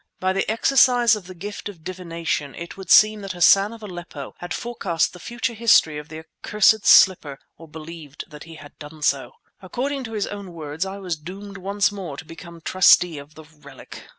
By the exercise of the gift of divination it would seem that Hassan of Aleppo had forecast the future history of the accursed slipper or believed that he had done so. According to his own words I was doomed once more to become trustee of the relic.